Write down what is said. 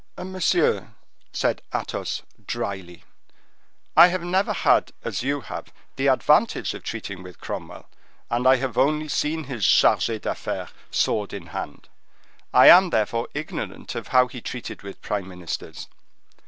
"Monsieur," said Athos, dryly, "I have never had, as you have, the advantage of treating with Cromwell; and I have only seen his charges d'affaires sword in hand; I am therefore ignorant of how he treated with prime ministers.